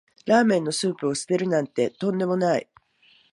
ラーメンのスープを捨てるなんてとんでもない